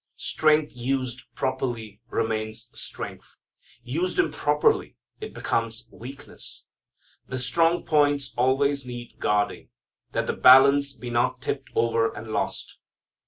Strength used properly remains strength; used improperly it becomes weakness. The strong points always need guarding, that the balance be not tipped over and lost.